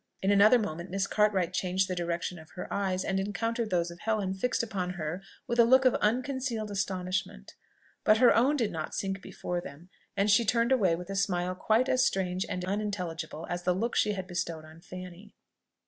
In another moment Miss Cartwright changed the direction of her eyes, and encountered those of Helen fixed upon her with a look of unconcealed astonishment; but her own did not sink before them, and she turned away with a smile quite as strange and unintelligible as the look she had bestowed on Fanny.